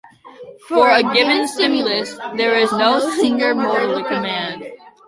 For a given stimulus, there is no one single motor command.